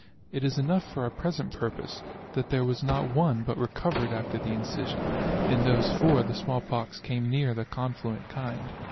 It is enough for our present purpose, that there was not one but recovered after the incision : in those 4 the small pox came near the confluent kind.